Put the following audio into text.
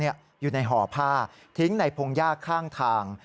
อยู่ในห่อผ้าทิ้งในพงหญ้าข้างทาง